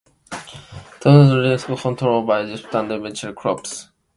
Turbo reestablished control over Egypt and eventually Cyprus.